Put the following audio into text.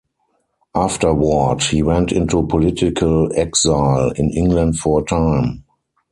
Afterward he went into political exile in England for a time.